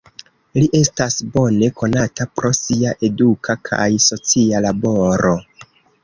Li estas bone konata pro sia eduka kaj socia laboro.